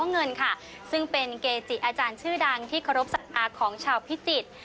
เงินค่ะซึ่งเป็นเกจิอาจารย์ชื่อดังที่เคารพของชาวพิจิตร